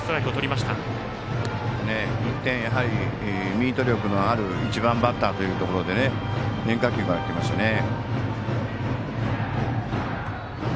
ミート力のある１番バッターというところで変化球からきましたね。